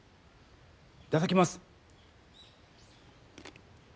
いただきます！